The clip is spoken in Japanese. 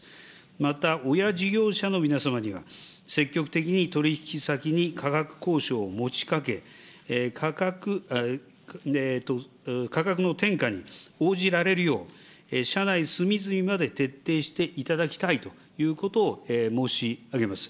また、親事業者の皆様には、積極的に取り引き先に価格交渉を持ちかけ、価格の転嫁に応じられるよう、社内隅々まで徹底していただきたいということを申し上げます。